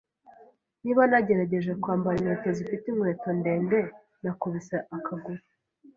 Niba nagerageje kwambara inkweto zifite inkweto ndende, nakubise akaguru.